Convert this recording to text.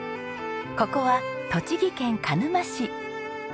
ここは栃木県鹿沼市。